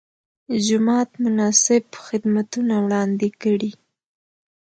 جومات مناسب خدمتونه وړاندې کړي.